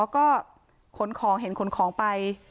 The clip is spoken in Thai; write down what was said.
อ๋อก็เห็นขนของไป